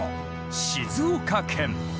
静岡県。